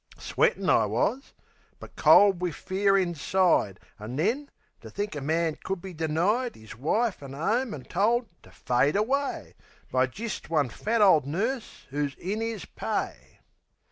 Sweatin' I was! but cold wiv fear inside An' then, to think a man could be denied 'Is wife an' 'ome an' told to fade away By jist one fat ole nurse 'oo's in 'is pay!